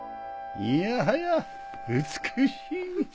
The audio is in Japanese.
・いやはや美しい！